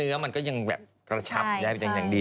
และกล้ำเนื้องักกระชับอย่างดี